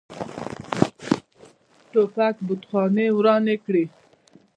توپک کتابخانې ورانې کړي.